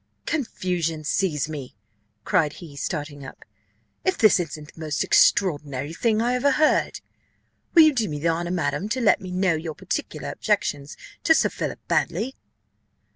"Confusion seize me," cried he, starting up, "if this isn't the most extraordinary thing I ever heard! Will you do me the honour, madam, to let me know your particular objections to Sir Philip Baddely?"